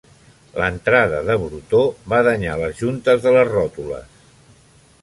L'entrada de brutor va danyar les juntes de les ròtules.